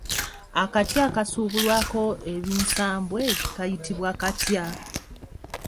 Akati akasubulwako ebinsambwe kayitibwa katya?